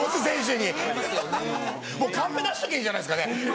もうカンペ出しときゃいいじゃないですかね。